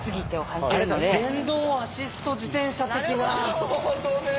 あれだ電動アシスト自転車的な。